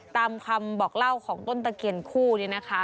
ตามคำบอกเล่าของต้นตะเคียนคู่นี้นะคะ